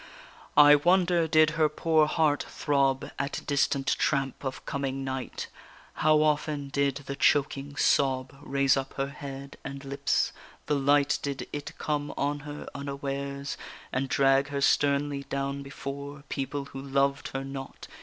I wonder did her poor heart throb At distant tramp of coming knight? How often did the choking sob Raise up her head and lips? The light, Did it come on her unawares, And drag her sternly down before People who loved her not?